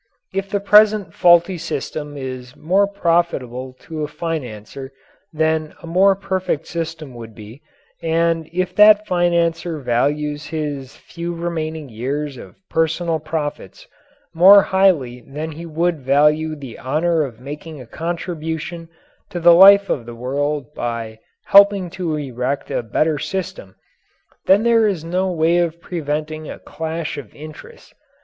If the present faulty system is more profitable to a financier than a more perfect system would be, and if that financier values his few remaining years of personal profits more highly than he would value the honour of making a contribution to the life of the world by helping to erect a better system, then there is no way of preventing a clash of interests.